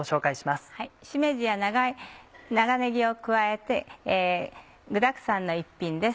しめじや長ねぎを加えて具だくさんの一品です。